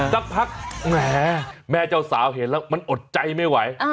สักพักแหมแม่เจ้าสาวเห็นแล้วมันอดใจไม่ไหว